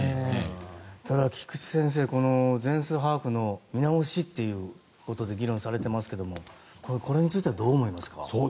ただ菊地先生全数把握の見直しということで議論されていますがこれについてはどう思いますか？